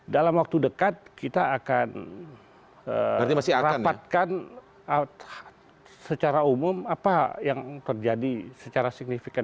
dalam waktu dekat kita akan rapatkan secara umum apa yang terjadi secara signifikan